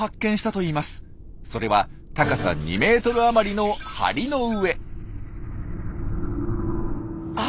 それは高さ２ｍ余りの梁の上。